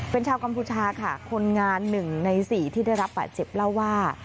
เป็นชาวกัมพูชาค่ะคนงาน๑ใน๔ที่ได้รับบาดเจ็บเล่าว่า